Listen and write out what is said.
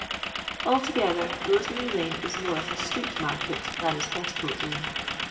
Altogether Rosemary lane is more of a tlreet market than is Petticoat lnne.